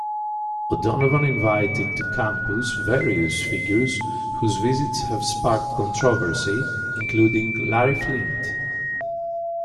O'Donovan invited to campus various figures whose visits have sparked controversy, including Larry Flynt.